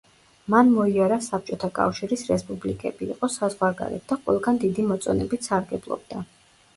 მან მოიარა საბჭოთა კავშირის რესპუბლიკები, იყო საზღვარგარეთ და ყველგან დიდი მოწონებით სარგებლობდა.